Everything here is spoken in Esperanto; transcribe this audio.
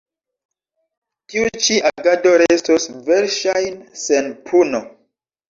Tiu ĉi agado restos verŝajne sen puno.